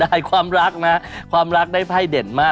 ได้ความรักนะความรักได้ไพ่เด่นมาก